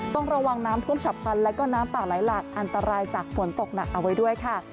ต้องระวังน้ำท่วมฉับพันธ์และก็น้ำป่าไหลหลักอันตรายจากฝนตกหนักเอาไว้ด้วยค่ะ